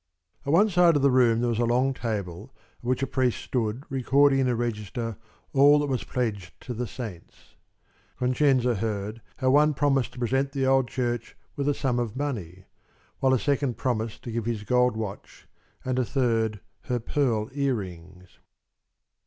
At one side of the room there was a long table at which a priest stood recording in a register all that was pledged to the saints. Concenza heard how one promised to present the old church with a sum of money, while a second promised to give his gold watch, and a third her pearl earrings.